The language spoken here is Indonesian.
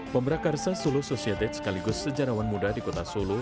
pembrakarsa solo society sekaligus sejarawan muda di kota solo